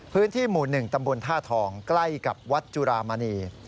พื้นที่หมู่๑ตำบลท่าทองใกล้กับวัดจุรามณี